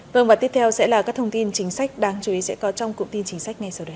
vâng và tiếp theo sẽ là các thông tin chính sách đáng chú ý sẽ có trong cụm tin chính sách ngay sau đây